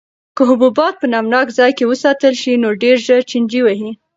که حبوبات په نمناک ځای کې وساتل شي نو ډېر ژر چینجي وهي.